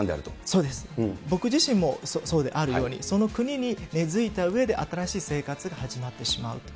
僕自身もそうであるように、その国に根づいたうえで新しい生活が始まってしまうと。